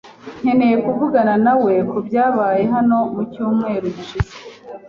Nkeneye kuvugana nawe kubyabaye hano mucyumweru gishize.